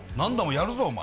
やるぞお前。